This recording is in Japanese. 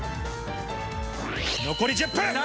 残り１０分。